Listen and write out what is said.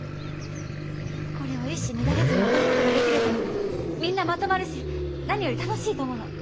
これを一糸乱れずに踊ることができるとみんなまとまるし何より楽しいと思うの。